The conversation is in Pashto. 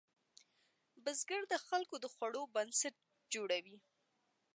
بزګر د خلکو د خوړو بنسټ جوړوي